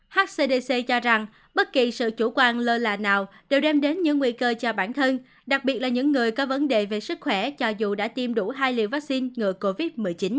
hcdc cho rằng bất kỳ sự chủ quan lơ là nào đều đem đến những nguy cơ cho bản thân đặc biệt là những người có vấn đề về sức khỏe cho dù đã tiêm đủ hai liều vaccine ngừa covid một mươi chín